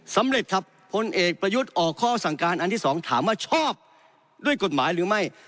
สำเร็จครับพลเอกประยุทธ์ออกข้อสั่งการอันที่สองถามว่าชอบด้วยกฎหมายหรือไม่